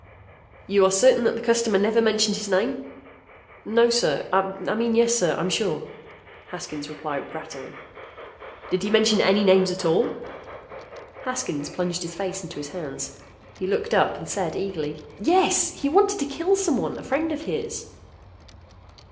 "You are certain that the customer never mentioned his name?" "No, sir. I mean yes, I'm sure," Haskins replied rattledly. "Did he mention any names at all?" Haskins plunged his face into his hands. He looked up and said eagerly, "Yes! He wanted to kill someone! A friend of his!"